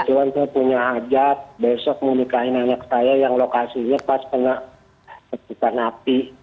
tentu saja punya ajat besok memikirkan anak saya yang lokasinya pas pernah ketika napi